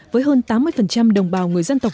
với hơn tám mươi đồng bào người dân tộc